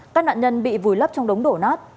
các nạn nhân bị vùi lấp trong đống đổ nát